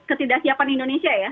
ketidaksiapan indonesia ya